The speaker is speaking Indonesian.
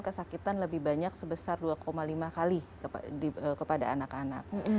kesakitan lebih banyak sebesar dua lima kali kepada anak anak